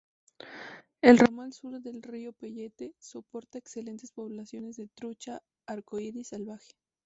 El ramal Sur del río Payette soporta excelentes poblaciones de trucha arco iris salvaje.